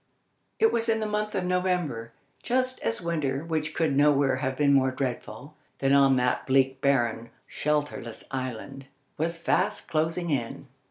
It was in the month of November, just as winter, which could nowhere have been more dreadful than on that bleak, barren, shelterless island, was fast closing in.